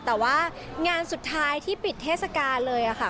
แต่ว่างานสุดท้ายที่ปิดเทศกาลเลยค่ะ